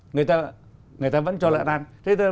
người ta vẫn cho lợi đoan